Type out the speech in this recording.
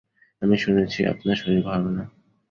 আমি শুনেছি আপনার শরীর ভাল না।